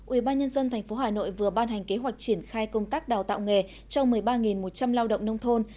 ubnd tp hà nội vừa ban hành kế hoạch triển khai công tác đào tạo nghề cho một mươi ba một trăm linh lao động nông thôn